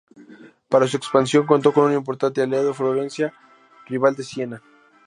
Para su expansión contó con un importante aliado, Florencia, rival de Siena.